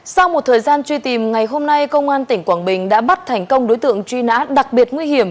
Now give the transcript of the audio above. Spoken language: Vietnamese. sau một thời gian truy tìm ngày hôm nay công an tp thủ đức đã bắt thành công đối tượng truy nã đặc biệt nguy hiểm